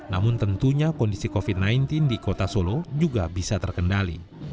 namun tentunya kondisi covid sembilan belas di kota solo juga bisa terkendali